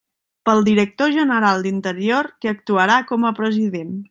Pel director general d'Interior, que actuarà com a president.